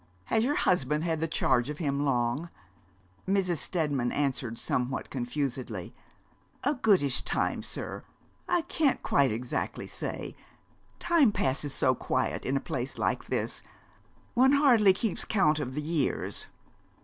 Has your husband had the charge of him long?' Mrs. Steadman answered somewhat confusedly. 'A goodish time, sir. I can't quite exactly say time passes so quiet in a place like this. One hardly keeps count of the years.'